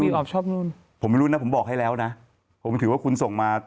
บอกชอบนู่นผมไม่รู้นะผมบอกให้แล้วนะผมถือว่าคุณส่งมา